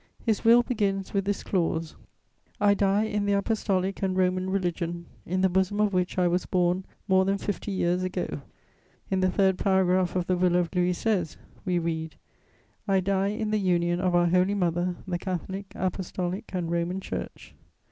His will begins with this clause: "I DIE IN THE APOSTOLIC AND ROMAN RELIGION, IN THE BOSOM OF WHICH I WAS BORN MORE THAN FIFTY YEARS AGO." In the third paragraph of the will of Louis XVI., we read: "I DIE IN THE UNION OF OUR HOLY MOTHER THE CATHOLIC, APOSTOLIC AND ROMAN CHURCH."